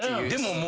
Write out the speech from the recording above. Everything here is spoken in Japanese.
でも。